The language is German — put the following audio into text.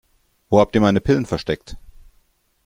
Wo habt ihr meine Pillen versteckt?